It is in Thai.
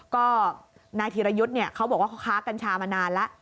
ก็นายธีรยุทธ์เนี่ยเขาบอกว่าเขาค้ากัญชามานานแล้ว